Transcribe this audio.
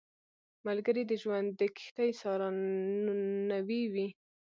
ملګری د ژوند د کښتۍ سارنوی وي